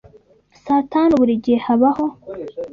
Saa tanu, burigihe habaho